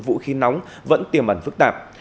vũ khí nóng vẫn tiềm ẩn phức tạp